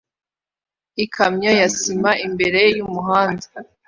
Ikamyo ya sima imbere yumuhanda